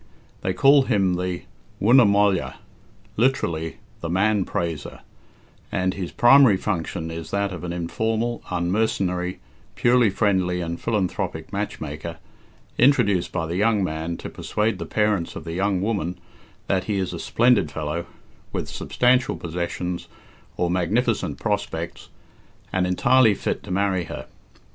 They call him the Dooiney Molla literally, the "man praiser;" and his primary function is that of an informal, unmercenary, purely friendly and philanthropic matchmaker, introduced by the young man to persuade the parents of the young woman that he is a splendid fellow, with substantial possessions or magnificent prospects, and entirely fit to marry her.